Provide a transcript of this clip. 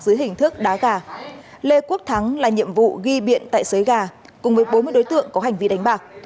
dưới hình thức đá gà lê quốc thắng là nhiệm vụ ghi biện tại sới gà cùng với bốn mươi đối tượng có hành vi đánh bạc